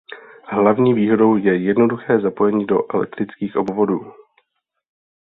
Hlavní výhodou je jednoduché zapojení do elektrických obvodů.